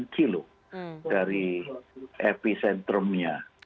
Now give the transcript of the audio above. dua ratus delapan puluh delapan kilo dari epicentrumnya